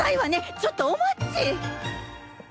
ちょっとお待ち！